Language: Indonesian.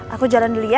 aku jalan dulu ya